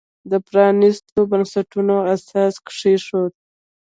د پرانیستو بنسټونو اساس کېښود.